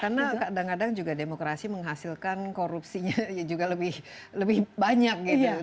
karena kadang kadang juga demokrasi menghasilkan korupsinya juga lebih banyak gitu